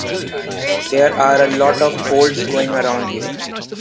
There are a lot of colds going around.